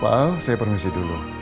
pak saya permisi dulu